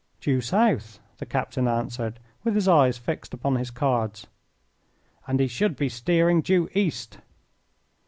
"Due south," the captain answered, with his eyes fixed upon his cards. "And he should be steering due east."